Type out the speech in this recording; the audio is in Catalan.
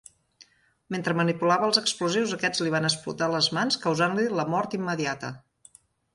Mentre manipulava els explosius, aquests li van explotar a les mans, causant-li la mort immediata.